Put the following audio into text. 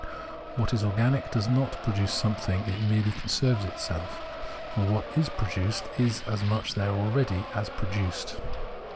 What is organic does not produce something, it merely conserves itself, or what is produced is as much there already as produced.